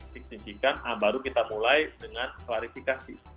signifikan baru kita mulai dengan klarifikasi